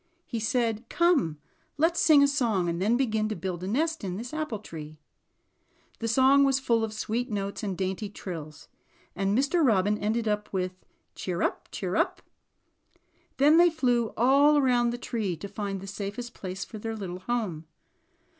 He said: ''Come let's sing a song, and then begin to build a nest in this apple tree." The song was full of sweet notes and dainty trills, and Mr. Robin ended with "cheer up, cheer up." Then they flew all around the tree to find the safest place for their little home.